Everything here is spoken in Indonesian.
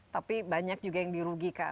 tapi banyak juga yang dirugikan